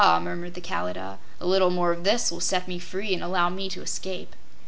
murmured the Kalidah, "a little more of this will set me free and allow me to escape!"